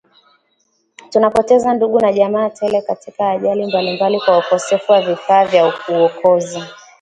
tunapoteza ndugu na jamaa tele katika ajali mbalimbali kwa ukosefu wa vifaa vya uokozi